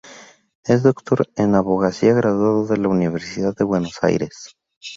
Es Doctor en Abogacía graduado de la Universidad de Buenos Aires.